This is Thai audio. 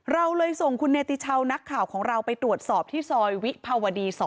เราเลยส่งคุณเนติชาวนักข่าวของเราไปตรวจสอบที่ซอยวิภาวดี๒